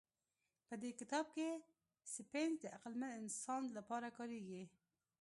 په دې کتاب کې سیپینز د عقلمن انسان لپاره کارېږي.